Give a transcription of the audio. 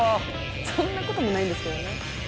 そんなこともないんですけどね。